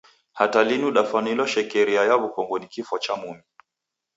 Hata linu dafwanilwa shekeria ya w'ukongo ni kifwa cha mumi.